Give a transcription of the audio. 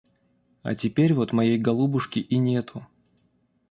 А теперь вот моей голубушки и нету.